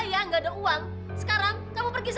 ya aku madness